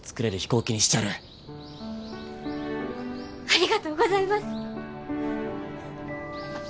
ありがとうございます！